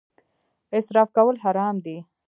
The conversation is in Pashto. اسراف کول حرام دي